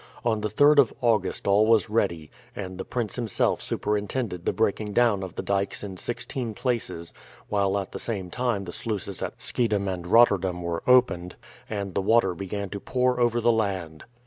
On the 3rd of August all was ready, and the prince himself superintended the breaking down of the dykes in sixteen places, while at the same time the sluices at Schiedam and Rotterdam were opened and the water began to pour over the land.